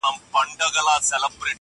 o سړى پښې د خپلي کمبلي سره غځوي!